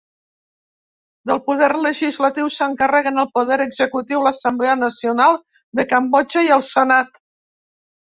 Del poder legislatiu, s'encarreguen el poder executiu, l'Assemblea Nacional de Cambodja i el senat.